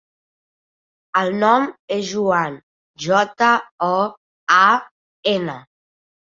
El nom és Joan: jota, o, a, ena.